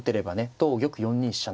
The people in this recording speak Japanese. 同玉４二飛車